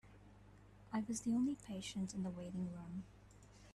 I was the only patient in the waiting room.